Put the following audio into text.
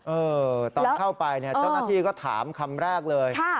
เออตอนเข้าไปเนี่ยเจ้าหน้าที่ก็ถามคำแรกเลย